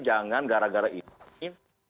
jangan gara gara ini